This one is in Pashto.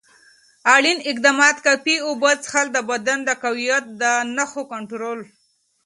اړین اقدامات: کافي اوبه څښل، د بدن تقویت، د نښو کنټرول.